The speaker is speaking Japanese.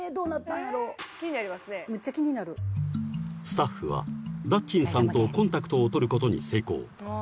［スタッフはだっちんさんとコンタクトを取ることに成功］